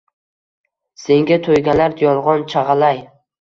Senga toʻyganlar yolgʻon, Chagʻalay.